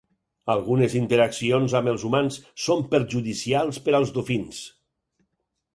Algunes interaccions amb els humans són perjudicials per als dofins.